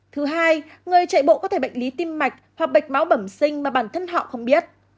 thứ hai người chạy bộ có thể bệnh lý tim mạch hoặc bệnh máu bẩm sinh mà bản thân họ không biết